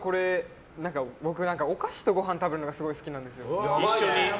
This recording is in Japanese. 僕、お菓子とご飯を食べるのが好きなんですよ。